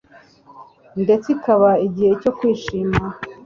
ndetse ikaba igihe cyo kwishima